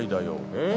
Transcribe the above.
えっ？